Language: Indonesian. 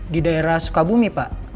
di daerah sukabumi pak